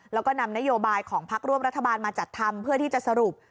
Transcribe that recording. แล้วก็นำนโยบายของพักร่วมรัฐบาลมาจัดทำเพื่อที่จะสรุป